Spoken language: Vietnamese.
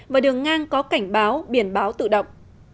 và đường ngang có cảnh báo biển báo tự động